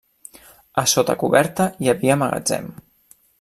A sota coberta hi havia magatzem.